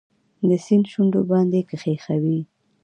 د سیند شونډو باندې کښېښوي